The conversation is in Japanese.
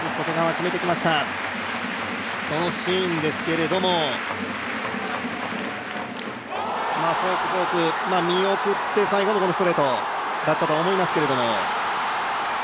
そのシーンですけれども、フォークフォーク、見送って最後のストレートだったと思いますけれども。